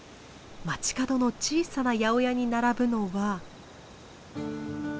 街角の小さな八百屋に並ぶのは。